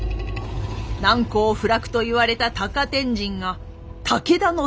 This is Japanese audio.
難攻不落と言われた高天神が武田の手に。